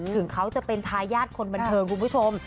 ถึงเขาจะเป็นทายาทคนบันเทิงคุณผู้ชม